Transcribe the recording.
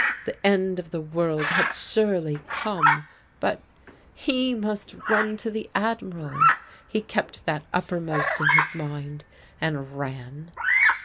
The end of the world had surely come; but he must run to the Admiral! He kept that uppermost in his mind, and ran.